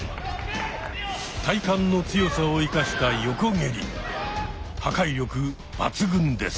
体幹の強さを生かした破壊力抜群です。